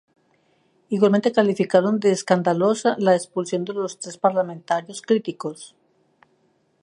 Igualmente calificaron de "escandalosa" la expulsión de los tres parlamentarios críticos.